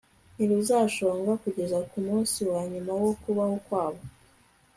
ntiruzashonga kugeza ku munsi wa nyuma wo kubaho kwabo